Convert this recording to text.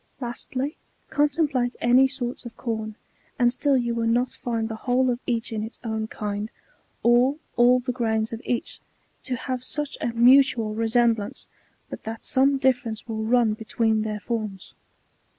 ^ Lastly, contemplate any sorts of com,^ and still you will not find the whole of each in its own kind, or all the grains of each, to have such a mutual resemblance, but that some difference will run between their fbrms.